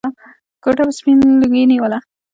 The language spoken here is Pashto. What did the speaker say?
کوټه به سپين لوګي ونيوله.